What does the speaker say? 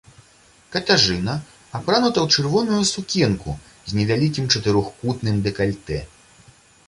Катажына апранута ў чырвоную сукенку з невялікім чатырохкутным дэкальтэ.